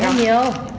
rẻ hơn nhiều